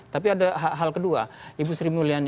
tapi ada hal kedua ibu sri mulyani